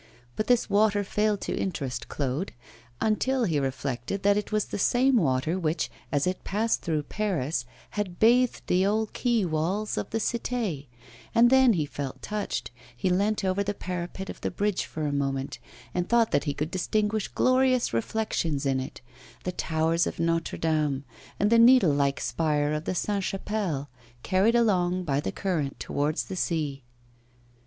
But this water failed to interest Claude, until he reflected that it was the same water which, as it passed through Paris, had bathed the old quay walls of the Cité; and then he felt touched, he leant over the parapet of the bridge for a moment, and thought that he could distinguish glorious reflections in it the towers of Notre Dame, and the needle like spire of the Sainte Chapelle, carried along by the current towards the sea.